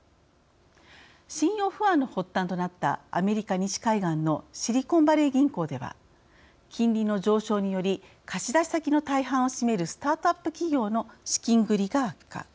信用不安の発端となったアメリカ西海岸のシリコンバレー銀行では金利の上昇により貸し出し先の大半を占めるスタートアップ企業の資金繰りが悪化。